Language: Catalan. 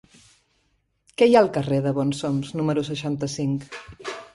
Què hi ha al carrer de Bonsoms número seixanta-cinc?